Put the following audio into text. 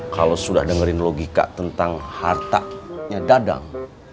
kalau sudah dengerin logika tentang hartanya dadang